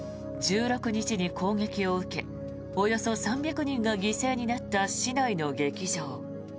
１６日に攻撃を受けおよそ３００人が犠牲になった市内の劇場。